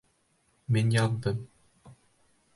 Мин яҙҙым!